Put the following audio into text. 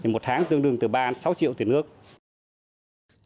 một tháng tương đương từ ba sáu triệu tiền nước